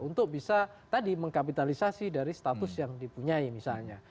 untuk bisa tadi mengkapitalisasi dari status yang dipunyai misalnya